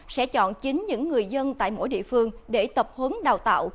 sẽ chọn chính những người dân tại mỗi địa phương để tập huấn đào tạo